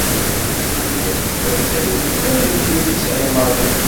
Tudert war tayri, anamek ur t-tesεi maḍi.